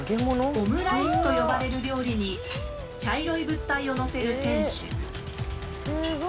オムライスと呼ばれる料理に茶色い物体をのせる店主。